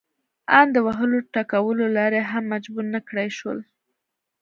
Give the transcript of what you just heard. ان د وهلو ټکولو له لارې هم مجبور نه کړای شول.